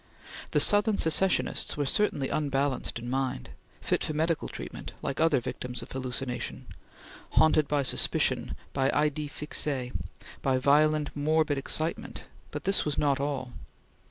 The Southern secessionists were certainly unbalanced in mind fit for medical treatment, like other victims of hallucination haunted by suspicion, by idees fixes, by violent morbid excitement; but this was not all.